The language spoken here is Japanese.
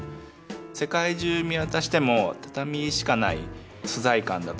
世界中見渡しても畳しかない素材感だとか